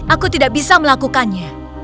aku tidak bisa melakukannya